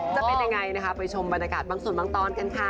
จะเป็นยังไงนะคะไปชมบรรยากาศบางส่วนบางตอนกันค่ะ